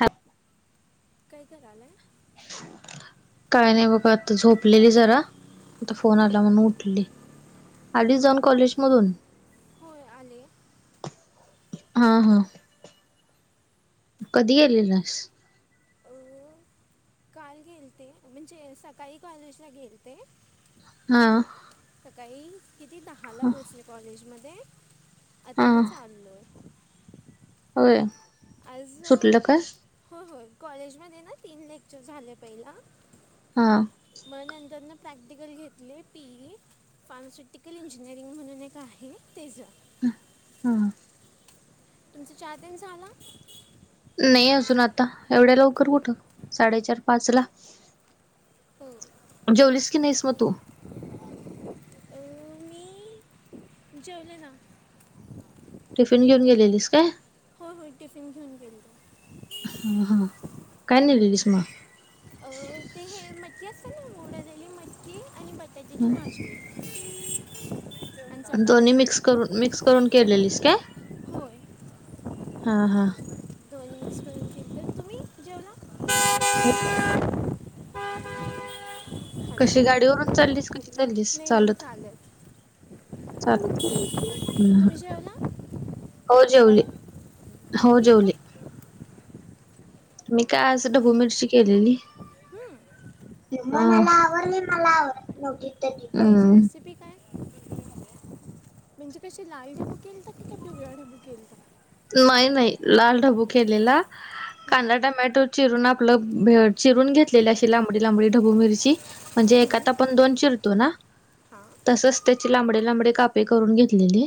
हप काय करा आलंय [inaudible] काय नाही बाबा आता झोपलेली जरा आता फोन आला म्हणून उठली अडीच जण कॉलेज मधून होय आले हा हा कधी गेलेलस अं, काल गेल ते म्हणजे सकाळी कॉलेजला गेलते हा सकाळी किती दहाला पोहोचले कॉलेजमध्ये हा आता मग चाललोय होय आज सुटलं कॉ काय हो हो कॉलेजमध्ये ना तीन लेक्चर झाले पहिला हां मग नंतर न प्रॅक्टिकल घेतले पीई फार्मास्युटिकल इंजिनिअरिंग म्हणून एक आहे ते जं ह हा तुमचे चार दिन झाला नाही अजून आता एवढ्या लवकर कुठं साडेचार पाच ला हो जेवलीस की नाहीस मग तू मी जेवले ना टिफिन घेऊन गेलेलीस काय हो हो टिफिन घेऊन गेलो हा हा काय ने विषमा अ ते हे मच्छी असत ना मोड्या झाली मच्छी आणि बटाट्याची माजली [inaudible] दोन्ही मिक्स करून मिक्स करून केलेलीस का होय हा हा दोन्हीसप फ तुम्ही जेवला हो आ कशी गाडी वून चाललीस कशी चाललीस नाही नाही चालत चाल तुम्ही जेवला हो जेवले दुपारी हो काय केलं होतं? जवली मी काय अस भूमीटची केलेली हम्म मग मला आवली मला आव न त त्याची रेसिपी काय म्हणजे कशी लाल ढबूक केल त की का ढुगळ ढबू केल का नाही नाही लाल ढबू केलेला. हां कांदा टमॅटो चिरून आपलं चिरून घेतलेली अशी लांबडी लांबडी ढबू मिरची. म्हणजे एक आता आपण दोन चिरतो ना हां तसच त्याची लांबडे लांबडे कापे करून घेतलेली.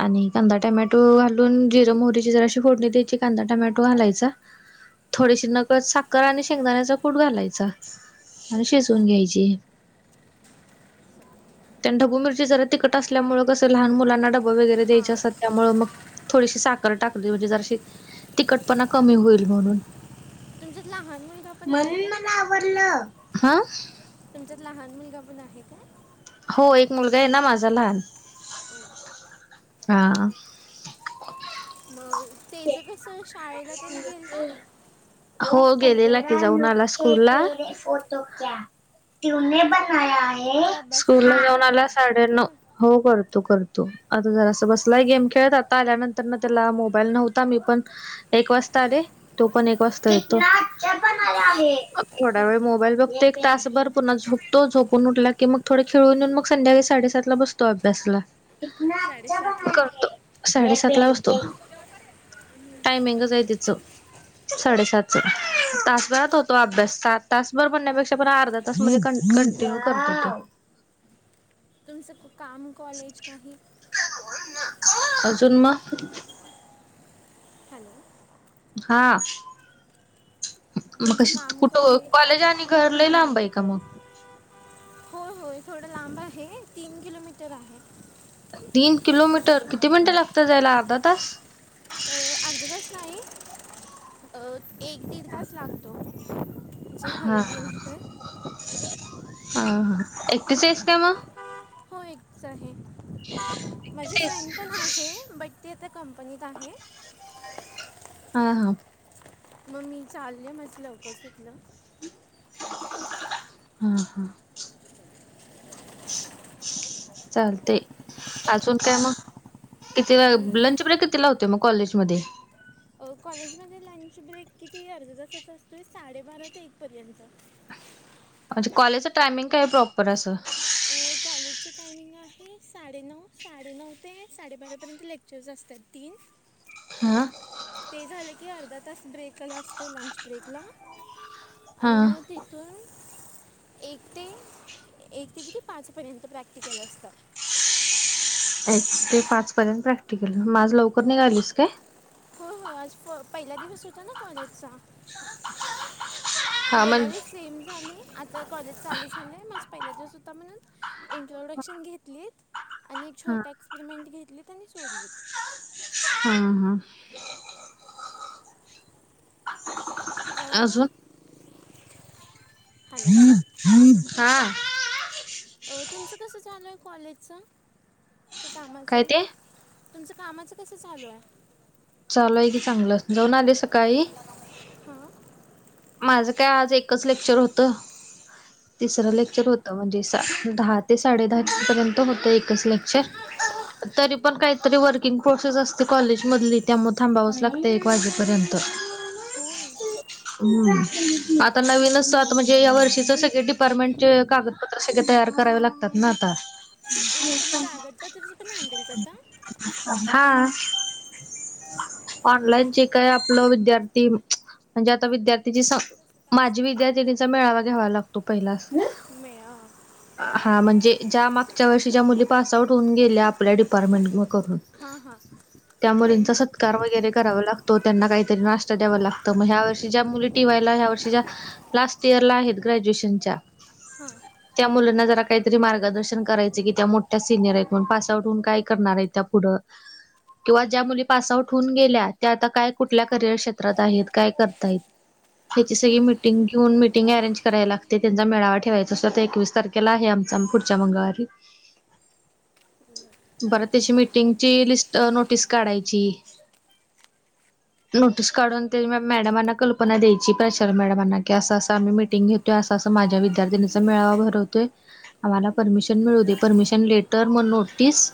आणि कधा टमॅटो घाल जिर मोहरीची जरा अशी फोडणी दयची कांदा टमॅटो घालायचा. थोडीशी नकद साखर आणि शेंगदाण्याचा कूड घालायच. आणि ओस शिजवून घ्यायचे. त्यां ढबुबरची जरा तिकट असल्यामुळे कं लहान मुलां डबा वगैरे हां द्यायचा असतात त्यामुळे मग थोडीशी साखर टाकली म्हणजे जरशी तखटपणा कमी हो. होईल म्हणून तुमच्यात लहान महिला पण आहेत का? ह तुमच्यात लहान मुलगा पण आहे का? हो एक मुलगा आहे ना माझा लहान ओ हा मग ते ज कसं शाळेला त्यांनी गेल का हो गेलेला की जाऊन आला स्कूल ला फोटो टे पण आहे तो अभ्यास स्कूल पण ला जाऊन करतो आला काय साडेनऊ हं हो करतो करतो आता जरा अस बसलाही गेम खेळत आता आल्यानंतर न त्याला मोबाईल नव्हता मी पण एक वाजता रे तो पण एक वाजता. थोडा वेळ मोबाईल फघत एक तासभर पुन्हा झोपतो झोपून उल्या की मग थोडं खळून येऊ मग संध्याकाळी साडेसात ला बसतो अभ्यासला. साडेसात लाख करतो साडेसात ला वाजतो टायमिंगच आहे तिचं साडेसात तु तासभरात होतो अभ्यास सात तासभर बण्यापेक्षा अर्ध तस म्हणजे कंटिन्यू करतो त. तुमचं काम कॉलेज काही अजुूनमा हॅलो हा मग तुमचं कशी काम कुठ कॉलेज आणि घरलेलं आंबा आहे का मग हो होय थोडं लांब आहे तीन किलोमीटर आहे. तीन किलोमीटर किती मिनिटं लागतात जायला अर्धा तास अध तास नाही एक दीड तास लागतो. जर हा हळू ह गेलं तर ह ह एेतसेस काम हो एकच आहे माझे फ्रेंड पण आहे बट ते आ कंपनीत आहे. हा हा मग मी चालय माझं लवकर सुटलं. हा हा चालतंय अजून काय मग किती अं, लंच ब्रेक कितीला होतोय मग कॉलेजमध्ये कॉलेजमध्ये लंच ब्रेक किती आर्धा तासाचा असतो आहे साडेबारा ते एकपर्यंत अच्छा कॉलेजचं टायमिंग काय आहे प्रॉपर असं अ, कॉलेजचं टायमिंग आहे साडेनऊ साडेनऊ ते साडेबारापर्यंत लेक्चर्स असतात तीन हा ते झालं की अर्धा तास ब्रेकला असतो लंच ब्रेकला आणि हा मग तिथून एक ते एक ते किती पाचपर्यंत प्रॅक्टिकल असतं, एक ते पाच पर्यंत प्रॅक्टिकल मग आज लवकर निघालीस काय हो हो आज प पहिला दिवस होता ना कॉलेजचा हा म्हण गेल्यावेळी सेम झाले आ तर कॉलेज चालू झालं आहे माझं पहिल्या दिवस होता म्हणून इंट्रोडक्शन घेतलीत‍ आणि एक हा छोटा एक्सपेरिमेंट घेतलीत आणि सोडलीत हा हा.. अजून अं हॅलो हा तुमचं कसं चालू आहे कॉलेजचं ते काय कामाचं ते तुमचं कामाचं कसं चालू आहे, चालू आहे की चांगलं जाऊन आले सकाळी हां माझं काय आज एकच लेक्चर होतं, तिसरं हं, लेक्चर होतं म्हणजे दहा ते साडे दहा पर्यंत होतं एकच लेक्चर [unintelligible] तरी पण काहीतरी वर्किंग प्रोसेस असते कॉलेजमधली त्यामुळे थांबावंच लागतं एक वाजेपर्यंत होय ह्म आता नवीनचतात म्हणजे या वर्षीच सगळे डिपार्टमेंटचे काग पत्रे सगळे तयार करावे लागतात ना आता हो तुम्ही कागदत्रचं पण हँडल करता हा. ऑनलाईन जे काय आपलं विद्यार्थी म्हणजे विद्यार्थीची माझी विद्यार्थिनीचा मेळावा घ्यावा लागतो पहिला मे हां [unintelligible] हा म्हणजे ज्या मागच्या वर्षी ज्या मुली पास आउट होऊन गेल्या आपल्या डिपार्टमेंट म करून हां त्या मुलींचा त्यांचं सत्कार वगैरे करावा लागतो, तो त्यांना काहीतरी नाशता द्यावं लागतं मग ह्या वर्षी ज्या मुली टिवायला ह्या वर्षी ज्या लास्ट इयर ला आहेत ग्रॅज्युएशन च्या हां त्या मुलांना जरा काहीतरी मार्गदर्शन करायचं की त्या मोठ्या सिनियर आहेत म्हणून पासआउट होऊन काय करणार आहेत त्या कड किंवा ज्या मुली पासआउट होऊन गेल्या त्या आता काय कुठल्या करियर क्षेत्रात आहेत काय कर तत.. त्याची सगळी हां मिटिंग घेऊन मिटिंग अरेंज कराय लागते त्यांचा मेळावा ठेवायचा असतो आता एकवीस तारखे केला आहे आमचा पुढच्या मंगळवारी, बरं त्याची मिटिंगची लिस्ट नोटीस काढायची नोटीस काढून ते मॅडमना कल्पना द्यायची प्रचार मॅडमांना की असं असं आम्ही मिटिंग घेतोय असं असं माझ्या विद्यार्थिनीचा मेळावा भरवतोय आम्हाला परमिशन मिळू दे परमिशन लेटर मग नोटीस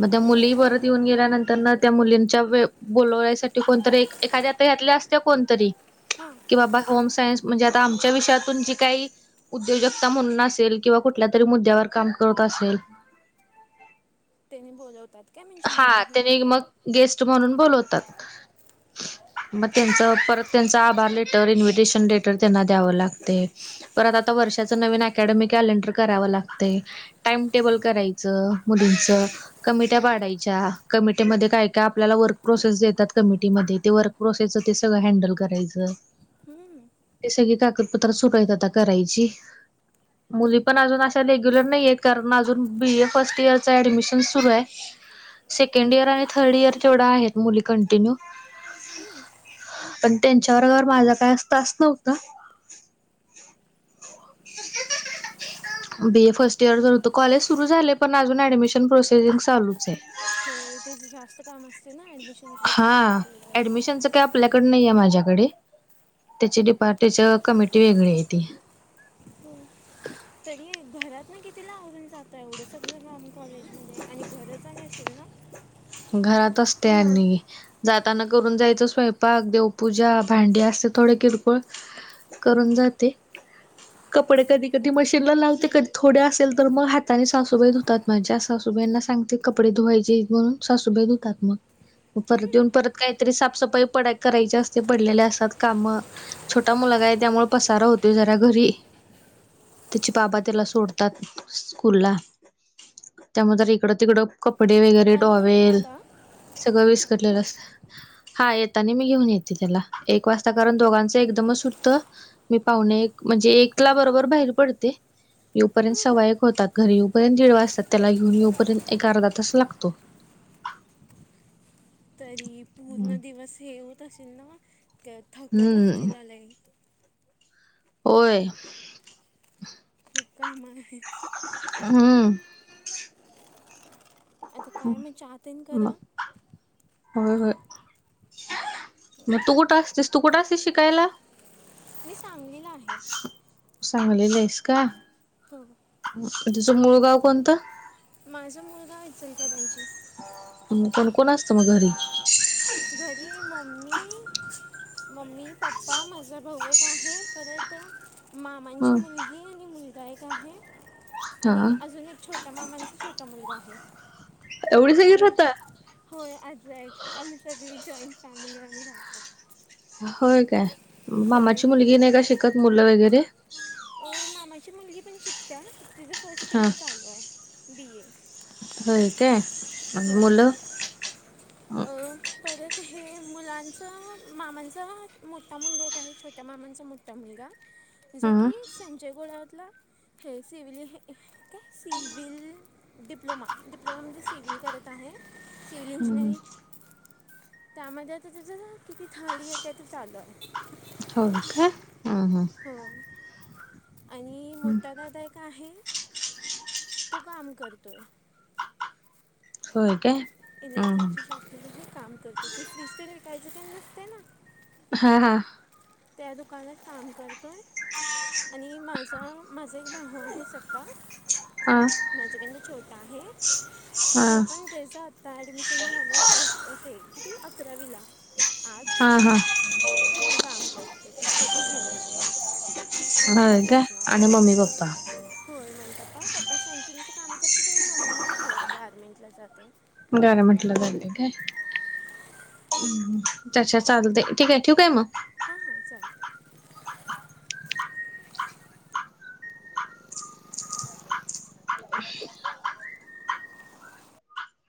मग त्या मुली परत येऊन गेल्यानंतर ना त्या मुलींच्या व बोलयसाठी कोणतरी एक एखाद्या यातल्या असत्या कोण तरी हां कि बाबा होम सायन्स म्हणजे आता आमच्या विषयातून जी काही उद्योजकता म्हणून असेल किंवा कुठल्या तरी मुद्द्यावर काम करत असेल त्यानी बोलवतात काय म्हणजे मध्ये हा येऊन त्याने तेण मग गेस्ट म्हणून बोलवतात मग त्यांच परत त्यांचा आभार लेटर इन्व्हिटेशन लेटर त्यांना द्यावं लागतंय परत आता वर्षाच नवीन अकॅडमिक कॅलेंडर कराव लागते टाइम टेबल करायचं मुलींच कमी त्या पाडायच्या कमिटीमध्ये काय काय आपल्याला वर्क प्रोसेस देतात कमिटीमध्ये ते वर्क प्रोसेसच ते सगळं हँडल करायचं. हं, ते सगळी कागदपत्र सुटवत आता करायची. मुली पण अजून अशा रेग्युलर नाहीय कारण अजून बी ए फर्स्ट इयरचं ऍडमिशन सुरू आहे. सेकंड इयर आणि थर्ड इयर जेवढा आहेत मुली कंटिन्यू. आणि त्यांच्यावर माझा काय अस तास नव्हता. [inaudible] बी ए फर्स्ट इयर होत कॉलेज सुरू झाले पण अजून ऍडमिशन प्रोसेसिंग चालू. हो इथे जास्त काम असते ना ऍडमिशन हा प्रोसिजर ऍडमिशनचं काय आपल्याकडे नाही आहे माझ्याकडे त्याची डिपार्ट कमिटी वेगळी आहे ती ह. तरी घरात नाही कितीला आवडून जात एवढं सगळं का आम कॉलेजमध्ये आणि घरच आणि असल ना. घराात असतेनी जाताना करून जायचं स्वयंपाक देवपूजा भांडी असते थोडे किरकोळ करून जाते. कपडे कधी कधी मशीनला लावते कधी थोडे्या असेल तर मग हाताने सासूबाई धुतात माझ्या सासूबाईंना सांगते. कपडे धुवायचे म्हणून सासूभे धुतात मग मग परत येऊन परत काहीतरी साफसफाई पड करायची असते पडलेल्या असतात काम छोटा मुलागा आहे त्यामुळे पसारा होतो जरा घरी त्याचे बाबा त्याला सोडतात स्कूलला त्यामध्ये तर इकडं तिकडं कपडे वगैरे अनुगण धोवेल. तुम्हाला सगळं विस्कटलेलं असत. हा येेत आणि मी घेऊन येते त्याला एक वाजता कारण दोघांचं एकदमच सुटत. मी पाहुणे एक म्हणजे एकला बरोबर बाहेर पडते. येऊपर्यंत सवा एक होतात घरी येऊपर्यंत दीड वाजतात त्याला घेऊन येऊपर्यंत एक अर्धा तास लागतो. तरी हम्म पूर्ण दिवस हे होत असशल ना थकत असश हम्म आलय. होय. खूप काम आहे. हम्म. ह आता काय मी चाहतेन आ करा हो. मग तू कुठं असतेस तू कुठं असतेस शिकायला. मी सांगलीला आहे. सांगलीला आहेस का? हो. तुझं मूळगाव कोणतं? माझा मुलगा वचल का त्यांची कोण कोण असतं मग घरी घरी मम्मी मम्मी पप्पा माझा भाऊ एक आहे परत आता ह मामांची मुलगी आणि मुलगा एक आहे आणि हा अजून छोट्या मामांचा छोटा मुलगा आहे. एवढी सगर आणि होता. होय आज एकक आम्ही सगळी जॉईंट फॅमिली आम् राहतो. होय काय होय मामाची मुलगी नाही का शिकत मुलं वगैरे मामाची मुलगी पण शिकत तिचं फर्स्ट हा इयर चालू आहे बी ए. हो ते. हो परत तर हे मुलांचा मामांचा मोठा मुलगा आहे आणि छोट्या मामांचा मोठा मुलगा जो हम्म की संजय गोळावरतला हे सिव्हल हे काय सिव्हिल डिप्लोमा डिप्लोमा मध्ये सिव्हिल. करत आहे सिव्हिल हम्म इंजिनिअरिंग. त्यामध्ये आता त्याचं ना किती थर्ड इयर त्यात चालू आहे. हो का? हम्म हम्म. हो आणि मोठा दाादा एक आहे. तो काम करतोय. होय का. इलेक्ट्रिकची [inaudible] काम करते ते फ्रीज तर भेटायचं का नसतय ना. हा हा. त्या दुकानात काम करतो. आणि माझा माझा एक भाऊू आहे सक्का. हा माझी बी छोटा आहे. हा तो पण हा त्याचा आता ऍडमिशन झालंय किती अकरावीला. आर्ट्स हा [inaudible] तो पण याला जातो होय काय कॉलेजला. आणि मम्मी पप्पा होय म पप्पा पप्पा सायकलिंगच काम करत आणि मम्मी गारमेंट ला जाते. गारमेंट ला जाले काय. अच्छा चालते ठीक आहे ठेऊ आहे मग. हा हा चालेल. [unintelligible]